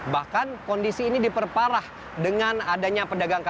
bahkan kondisi ini diperparah dengan adanya pedagang